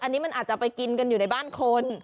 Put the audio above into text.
อันนี้มันอาจจะไปกินกันอยู่ในบ้านคน